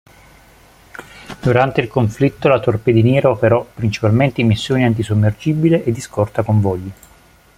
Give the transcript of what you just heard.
Durante il conflitto la torpediniera operò principalmente in missioni antisommergibile e di scorta convogli.